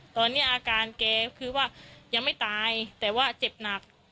ตอนนี้อาการแกคือว่ายังไม่ตายแต่ว่าเจ็บหนัก